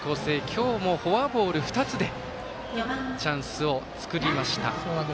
今日もフォアボール２つでチャンスを作りました。